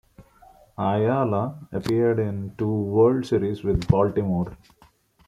Ayala appeared in two World Series with Baltimore.